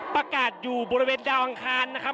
ประกาศอยู่บริเวณดาวอังคารนะครับ